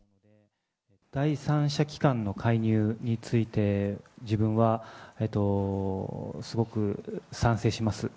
第三者機関の介入について、自分はすごく賛成します。